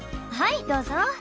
はいどうぞ。